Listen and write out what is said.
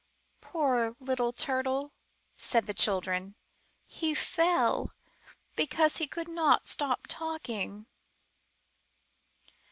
"Poor little Turtle," said the children, "he fell because he could not stop talking."